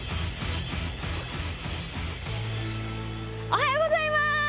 おはようございます！